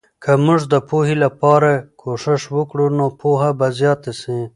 که موږ د پوهې لپاره یې کوښښ وکړو، نو پوهه به زیاته سي.